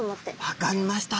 分かりました。